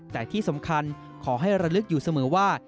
แต่ที่สำคัญขอให้ระลึกอยู่เสมอว่า